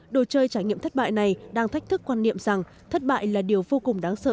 đồ chơi trải nghiệm thất bại này đang thách thức quan niệm rằng thất bại là điều vô cùng đáng sợ